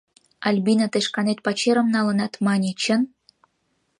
Альбина, тый шканет пачерым налынат, мане, чын?